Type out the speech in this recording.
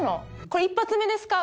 これ一発目ですか？